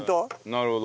なるほど。